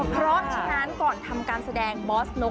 เพราะฉะนั้นก่อนทำการแสดงบอสนก